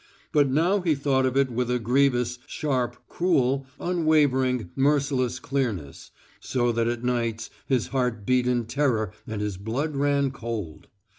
But now he thought of it with a grievous, sharp, cruel, unwavering, merciless clearness, so that at nights his heart beat in terror and his blood ran cold.